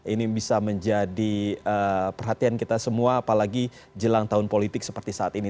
ini bisa menjadi perhatian kita semua apalagi jelang tahun politik seperti saat ini